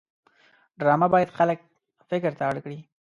ډرامه باید خلک فکر ته اړ کړي